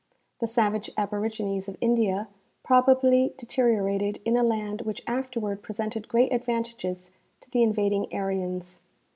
The savage aborigines of India probably deteriorated in a land which afterward presented great advan tages to the invading Aryans.